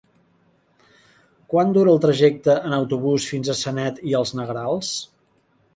Quant dura el trajecte en autobús fins a Sanet i els Negrals?